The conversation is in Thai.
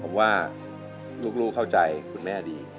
ผมว่าลูกเข้าใจคุณแม่ดี